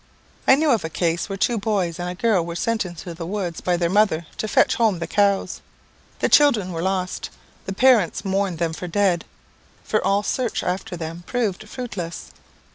I knew of a case where two boys and a girl were sent into the woods by their mother to fetch home the cows. The children were lost. The parents mourned them for dead, for all search after them proved fruitless.